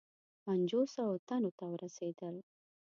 پنجوسو تنو ته ورسېدل.